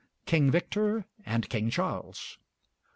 'King Victor and King Charles.'